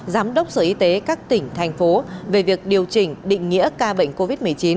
giám đốc sở y tế các tỉnh thành phố về việc điều chỉnh định nghĩa ca bệnh covid một mươi chín